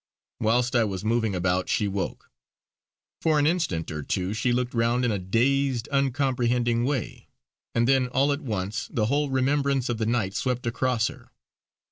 Whilst I was moving about, she woke. For an instant or two she looked round in a dazed uncomprehending way; and then all at once the whole remembrance of the night swept across her.